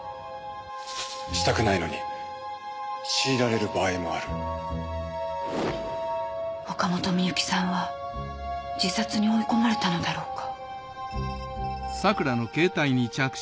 したくないのに強いられる場合もある岡本深雪さんは自殺に追い込まれたのだろうか